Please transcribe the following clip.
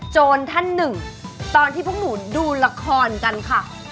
โจรท่านหนึ่งตอนที่พวกหนูดูละครกันค่ะ